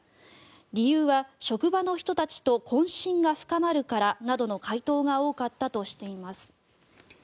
理由は職場の人たちと懇親が深まるからなどの回答が多かったとしています。